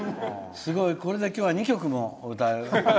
すごい、これで今日は２曲も。